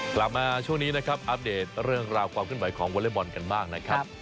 กลับมาช่วงนี้นะครับอัปเดตเรื่องราวความขึ้นไหวของวอเล็กบอลกันบ้างนะครับ